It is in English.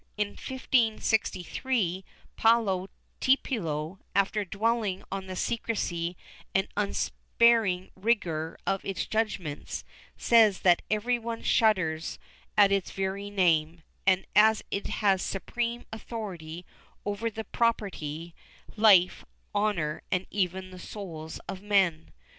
In 1563, Paolo Tiepolo, after dwelling on the secrecy and unsparing rigor of its judgements, says that every one shudders at its very name, as it has supreme authority over the property, life, honor and even the souls of men.